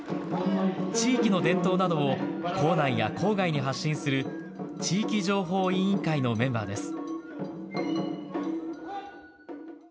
地域の伝統などを校内や校外に発信する地域情報委員会のメンバーです。